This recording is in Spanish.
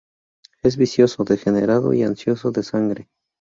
Es vicioso, degenerado y ansioso de sangre.